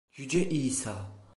Yüce İsa!